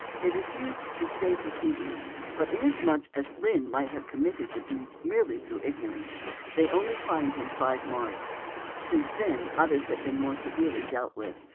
They refused to stay proceedings, but inasmuch as Lynn might have committed the deed merely through ignorance, they only fined him five marks. Since then others have been more severely dealt with.